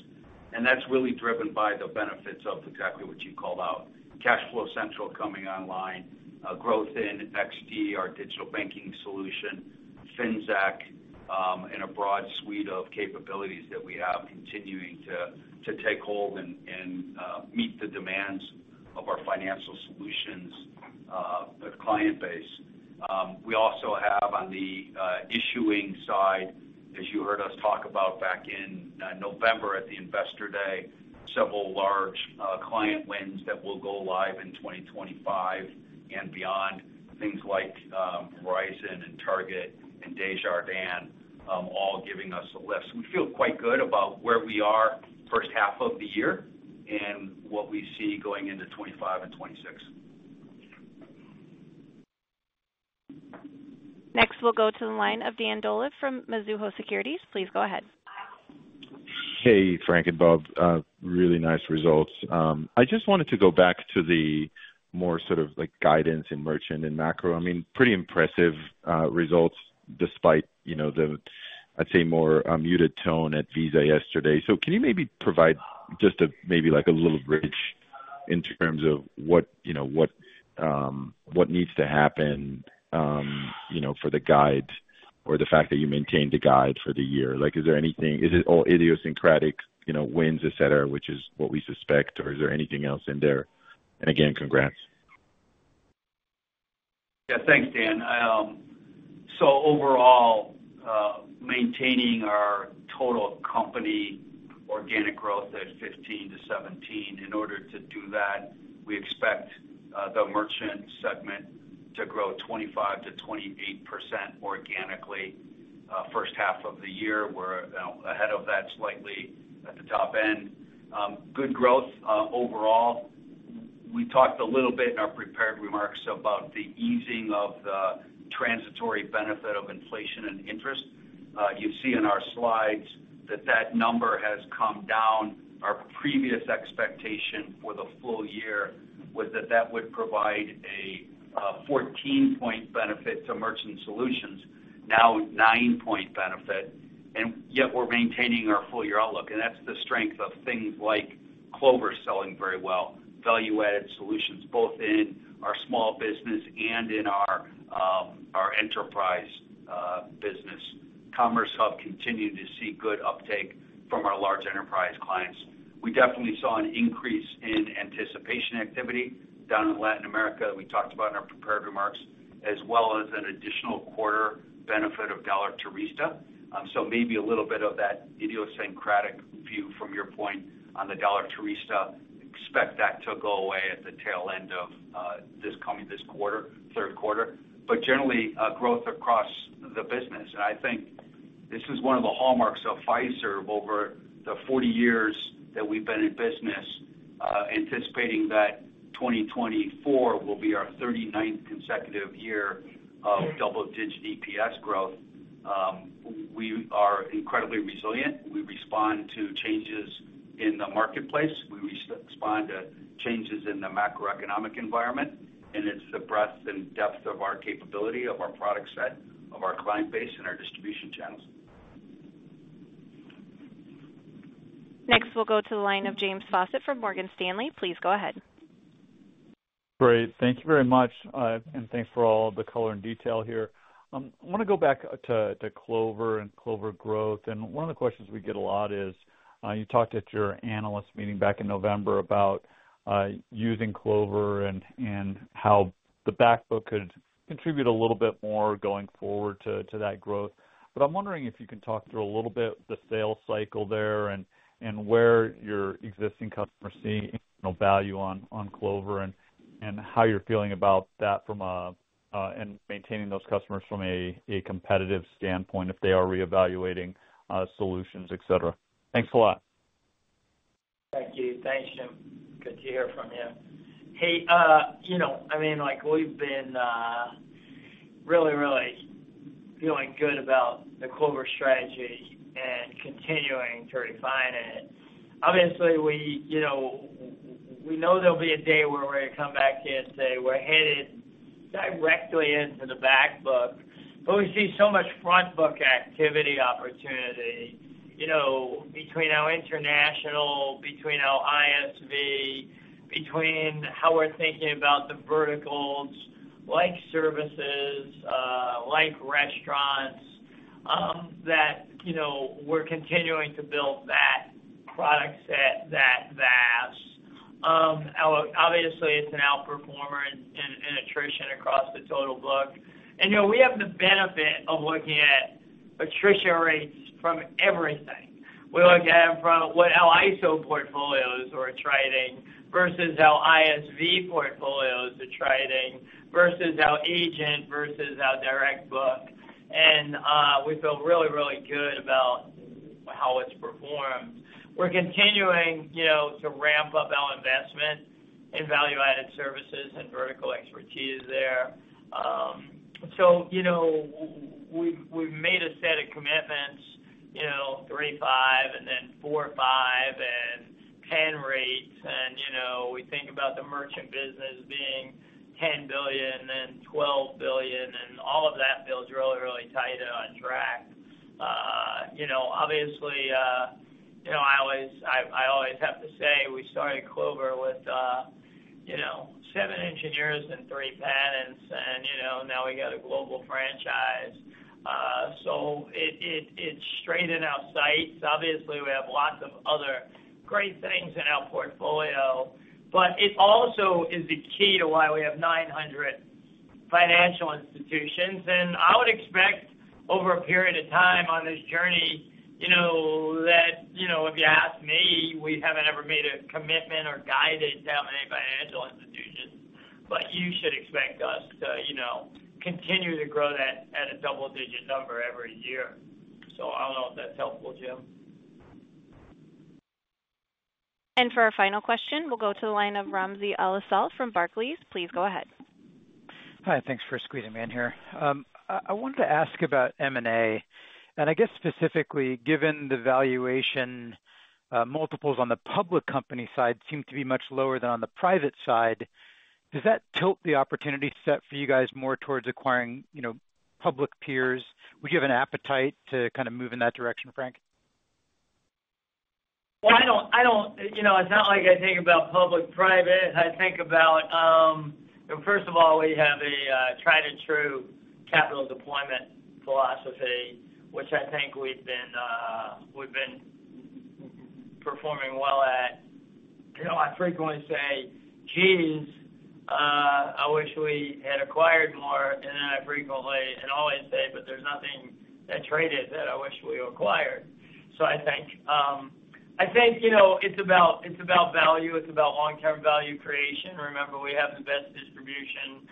That's really driven by the benefits of exactly what you called out. CashFlow Central coming online, growth in XD, our digital banking solution, Finxact, and a broad suite of capabilities that we have continuing to take hold and meet the demands of our Financial Solutions client base. We also have on the issuing side, as you heard us talk about back in November at the Investor Day, several large client wins that will go live in 2025 and beyond. Things like, Verizon and Target and Desjardins, all giving us a lift. So we feel quite good about where we are first half of the year and what we see going into 25 and 26. Next, we'll go to the line of Dan Dolev from Mizuho Securities. Please go ahead. Hey, Frank and Bob, really nice results. I just wanted to go back to the more sort of like, guidance in merchant and macro. I mean, pretty impressive, results, despite, you know, the, I'd say, more, muted tone at Visa yesterday. So can you maybe provide just a, maybe, like a little bridge in terms of what, you know, what, what needs to happen, you know, for the guide or the fact that you maintained the guide for the year? Like, is there anything Is it all idiosyncratic, you know, wins, et cetera, which is what we suspect, or is there anything else in there? And again, congrats. Yeah, thanks, Dan. So overall, maintaining our total company organic growth at 15 to 17. In order to do that, we expect the merchant segment to grow 25% to 28% organically. First half of the year, we're ahead of that, slightly at the top end. Good growth overall. We talked a little bit in our prepared remarks about the easing of the transitory benefit of inflation and interest. You see in our slides that that number has come down. Our previous expectation for the full year was that that would provide a 14-point benefit to Merchant Solutions, now 9-point benefit, and yet we're maintaining our full-year outlook, and that's the strength of things like Clover selling very well. Value-added solutions, both in our small business and in our enterprise business. Commerce Hub continued to see good uptake from our large enterprise clients. We definitely saw an increase in anticipation activity down in Latin America. We talked about in our prepared remarks, as well as an additional quarter benefit of Dólar turismo. So maybe a little bit of that idiosyncratic view from your point on the Dólar Turismo. Expect that to go away at the tail end of this coming quarter, third quarter. But generally, growth across the business. And I think this is one of the hallmarks of Fiserv over the 40 years that we've been in business, anticipating that 2024 will be our 39th consecutive year of double-digit EPS growth. We are incredibly resilient. We respond to changes in the marketplace, we respond to changes in the macroeconomic environment, and it's the breadth and depth of our capability, of our product set, of our client base, and our distribution channels. Next, we'll go to the line of James Faucette from Morgan Stanley. Please go ahead. Great. Thank you very much, and thanks for all the color and detail here. I wanna go back to Clover and Clover growth. And one of the questions we get a lot is, you talked at your analyst meeting back in November about using Clover and how the back book could contribute a little bit more going forward to that growth. But I'm wondering if you can talk through a little bit the sales cycle there and where your existing customers see additional value on Clover, and how you're feeling about that from a -- and maintaining those customers from a competitive standpoint, if they are reevaluating solutions, et cetera. Thanks a lot. Thank you. Thanks, Jim. Good to hear from you. Hey, you know, I mean, like, we've been really, really feeling good about the Clover strategy and continuing to refine it. Obviously, we, you know, we know there'll be a day where we're gonna come back here and say we're headed directly into the back book, but we see so much front book activity opportunity, you know, between our international, between our ISV, between how we're thinking about the verticals, like services, like restaurants, that, you know, we're continuing to build that product set, that VAS. Obviously, it's an outperformer in attrition across the total book, and, you know, we have the benefit of looking at attrition rates from everything. We look at it from what our ISO portfolios are trading versus our ISV portfolios are trading, versus our agent, versus our direct book. And, we feel really, really good about how it's performed. We're continuing, you know, to ramp up and value-added services and vertical expertise there. So, you know, we've made a set of commitments, you know, 3.5, and then 4.5, and 10 rates. And, you know, we think about the merchant business being $10 billion and then $12 billion, and all of that feels really, really tight and on track. You know, obviously, you know, I always have to say, we started Clover with, you know, 7 engineers and 3 patents and, you know, now we got a global franchise. So it's straightened our sights. Obviously, we have lots of other great things in our portfolio, but it also is the key to why we have 900 financial institutions. I would expect over a period of time on this journey, you know, that, you know, if you ask me, we haven't ever made a commitment or guided to how many financial institutions, but you should expect us to, you know, continue to grow that at a double-digit number every year. So I don't know if that's helpful, Jim. For our final question, we'll go to the line of Ramsey El-Assal from Barclays. Please go ahead. Hi, thanks for squeezing me in here. I wanted to ask about M&A, and I guess specifically, given the valuation multiples on the public company side seem to be much lower than on the private side. Does that tilt the opportunity set for you guys more towards acquiring, you know, public peers? Would you have an appetite to kind of move in that direction, Frank? Well, I don't -- you know, it's not like I think about public-private. I think about... Well, first of all, we have a tried-and-true capital deployment philosophy, which I think we've been performing well at. You know, I frequently say, "Jeez, I wish we had acquired more," and then I frequently and always say, "But there's nothing out there that I wish we acquired." So I think, you know, it's about, it's about value, it's about long-term value creation. Remember, we have the best distribution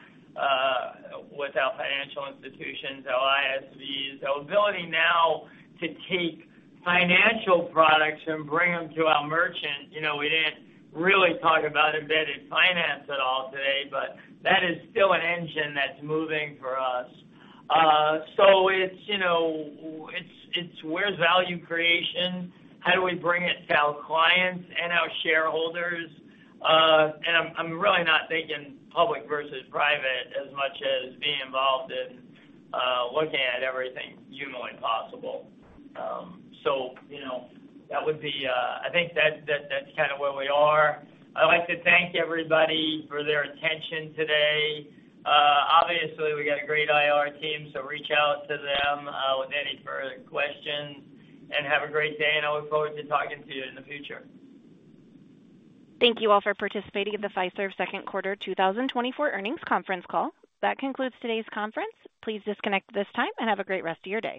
with our financial institutions, our ISVs. Our ability now to take financial products and bring them to our merchants, you know, we didn't really talk about embedded finance at all today, but that is still an engine that's moving for us. So it's, you know, it's where's value creation? How do we bring it to our clients and our shareholders? And I'm, I'm really not thinking public versus private, as much as being involved in looking at everything humanly possible. You know, that would be... I think that's, that's, that's kind of where we are. I'd like to thank everybody for their attention today. Obviously, we got a great IR team, so reach out to them with any further questions. And have a great day, and I look forward to talking to you in the future. Thank you all for participating in the Fiserv Second Quarter 2024 earnings conference call. That concludes today's conference. Please disconnect at this time, and have a great rest of your day.